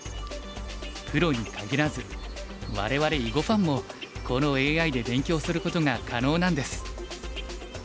プロにかぎらず我々囲碁ファンもこのＡＩで勉強することが可能なんです。